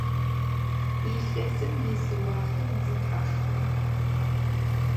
Илъэсым изы уахътэ мэзэ тхьапш хъура?